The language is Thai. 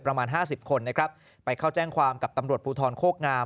ประมาณห้าสิบคนนะครับไปเข้าแจ้งความกับตำรวจภูทรโคกงาม